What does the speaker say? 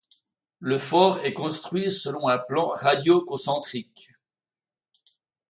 Le fort est construit selon un plan radio-concentrique.